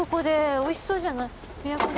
おいしそうじゃない親子丼。